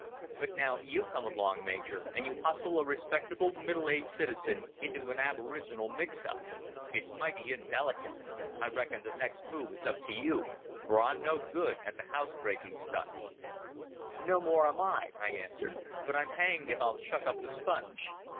But now you come along, Major, and you hustle a respectable middle aged citizen into an aboriginal mix up. It's mighty indelicate. I reckon the next move is up to you, for I'm no good at the housebreaking stunt." "No more am I," I answered; "but I'm hanged if I'll chuck up the sponge.